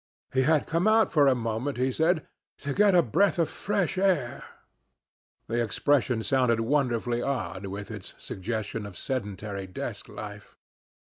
He had come out for a moment, he said, 'to get a breath of fresh air.' The expression sounded wonderfully odd, with its suggestion of sedentary desk life.